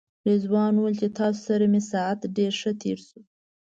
رضوان ویل چې تاسو سره مې ساعت ډېر ښه تېر شو.